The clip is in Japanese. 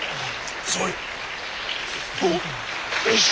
よし！